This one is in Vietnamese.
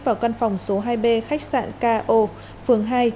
vào căn phòng số hai b khách sạn k o phường hai